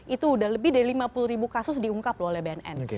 itu udah lebih dari lima puluh ribu kasus diungkap loh oleh bnn